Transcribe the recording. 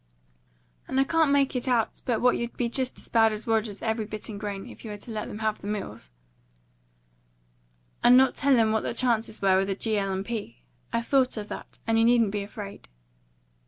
"And I can't make it out but what you'd be just as bad as Rogers, every bit and grain, if you were to let them have the mills " "And not tell 'em what the chances were with the G. L. & P.? I thought of that, and you needn't be afraid."